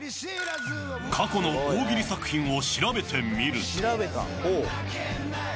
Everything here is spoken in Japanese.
過去の大喜利作品を調べてみると。